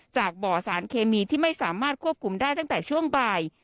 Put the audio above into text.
จากบ่อสารเคมีที่ไม่สามารถควบคุมได้ตั้งแต่ช่วงบ่าย